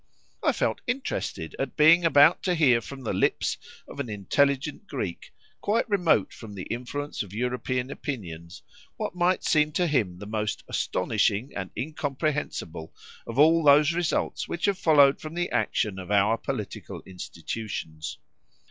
I felt interested at being about to hear from the lips of an intelligent Greek, quite remote from the influence of European opinions, what might seem to him the most astonishing and incomprehensible of all those results which have followed from the action of our political institutions.